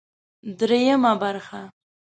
درېيمه برخه